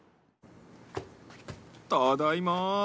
ただいま。